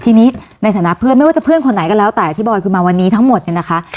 ทีนี้ในฐานะเพื่อนไม่ว่าจะเพื่อนคนไหนก็แล้วแต่ที่บอยคือมาวันนี้ทั้งหมดเนี่ยนะคะ